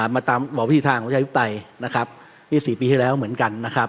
มาตามบ่าวิทยาลัยบ่าวิวไต่เหมือนกันนะครับ